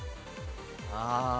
ああ！